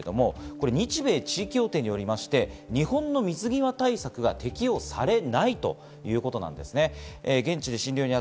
日米地位協定によりまして、日本の水際対策が適用されないということなんですね。